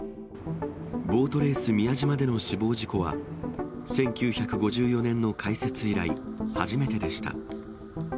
ボートレース宮島での死亡事故は、１９５４年の開設以来、初めてでした。